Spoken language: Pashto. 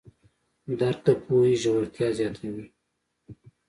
درک د پوهې ژورتیا زیاتوي.